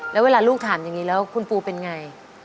แล้วเวลาลูกถามอย่างนี้แล้วคุณปูเป็นไง